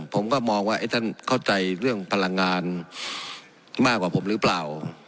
ผมก็มองว่าท่านเข้าใจเรื่องพลังงานมากกว่าผมหรือเปล่า